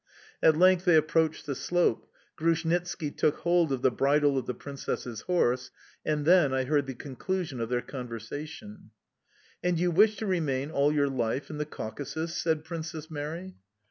At length they approached the slope; Grushnitski took hold of the bridle of the Princess's horse, and then I heard the conclusion of their conversation: "And you wish to remain all your life in the Caucasus?" said Princess Mary.